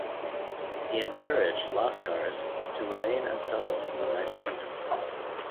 He encouraged lascars to remain and settle in the United Kingdom.